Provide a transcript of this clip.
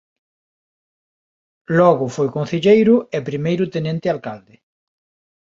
Logo foi concelleiro e primeiro tenente alcalde.